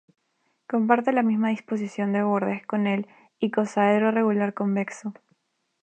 Comparte la misma disposición de bordes con el icosaedro regular convexo.